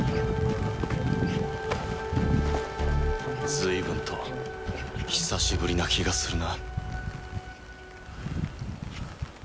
随分と久しぶりな気がするな。